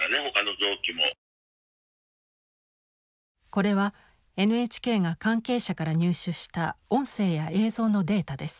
これはＮＨＫが関係者から入手した音声や映像のデータです。